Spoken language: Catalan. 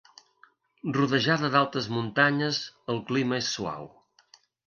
Rodejada d'altes muntanyes el clima és suau.